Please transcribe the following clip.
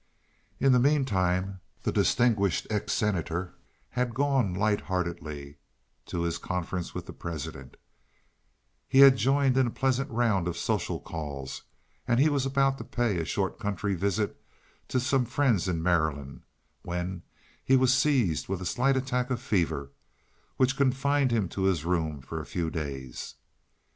In the meanwhile the distinguished ex Senator had gone light heartedly to his conference with the President, he had joined in a pleasant round of social calls, and he was about to pay a short country visit to some friends in Maryland, when he was seized with a slight attack of fever, which confined him to his room for a few days.